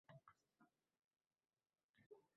Erini yumshatish yo‘lini izlardi.